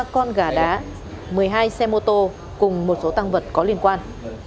ba con gà đá một mươi hai xe mô tô cùng một số tăng vật có liên quan